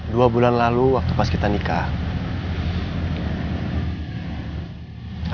dua bulan lalu waktu pas kita nikah